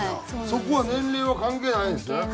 そこは年齢は関係ないんですね。